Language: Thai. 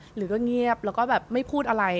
หรือก็เงียบแล้วก็แบบไม่พูดอะไร